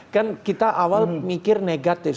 kan kita awal mikir negatif